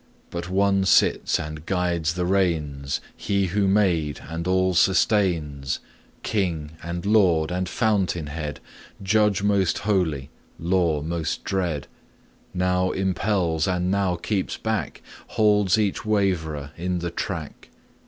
But One sits and guides the reins, He who made and all sustains; King and Lord and Fountain head, Judge most holy, Law most dread; Now impels and now keeps back, Holds each waverer in the track.